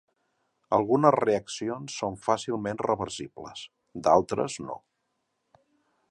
Algunes reaccions són fàcilment reversibles, d'altres no.